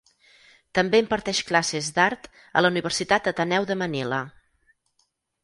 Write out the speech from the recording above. També imparteix classes d'art a la Universitat Ateneu de Manila.